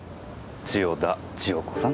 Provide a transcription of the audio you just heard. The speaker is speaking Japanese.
千代田千代子さん。